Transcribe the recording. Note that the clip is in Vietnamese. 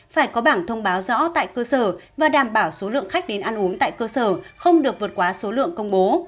phải có bảng thông báo rõ tại cơ sở và đảm bảo số lượng khách đến ăn uống tại cơ sở không được vượt quá số lượng công bố